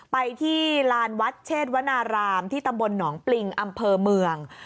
ไปที่ลานวัดเชษวนารามที่ตำบลหนองปริงอำเภอเมือง